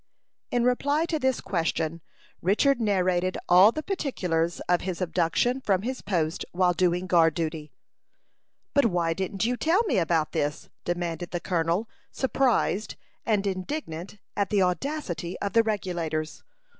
In reply to this question, Richard narrated all the particulars of his abduction from his post while doing guard duty. "But why didn't you tell me about this?" demanded the colonel, surprised and indignant at the audacity of the Regulators.